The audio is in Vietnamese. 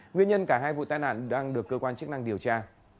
nguyên nhân cả hai vụ tai nạn đang được cơ quan chức năng điều tra